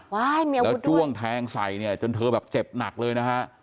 แล้วจ้วงแทงใส่เนี่ยจนเธอแบบเจ็บหนักเลยนะฮะ